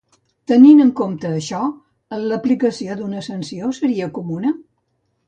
Tenint en compte això, l'aplicació d'una sanció seria comuna?